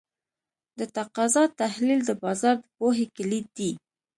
د تقاضا تحلیل د بازار د پوهې کلید دی.